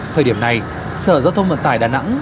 thời điểm này sở giao thông vận tải đà nẵng